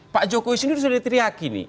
pak jokowi sendiri sudah diteriaki nih